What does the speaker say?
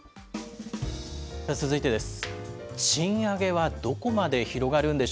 続いてです。